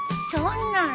そんな。